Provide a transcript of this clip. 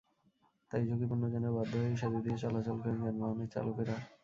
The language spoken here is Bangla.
তাই ঝুঁকিপূর্ণ জেনেও বাধ্য হয়েই সেতু দিয়ে চলাচল করেন যানবানের চালকেরা।